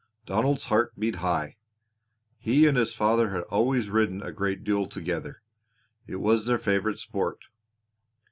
Donald's heart beat high. He and his father had always ridden a great deal together; it was their favorite sport.